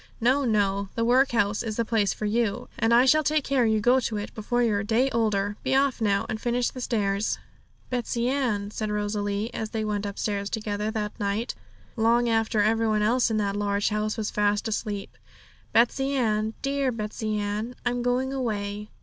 No, no; the workhouse is the place for you, and I shall take care you go to it before you're a day older. Be off now, and finish the stairs.' 'Betsey Ann,' said Rosalie, as they went upstairs together that night, long after every one else in that large house was fast asleep 'Betsey Ann, dear Betsey Ann, I'm going away!'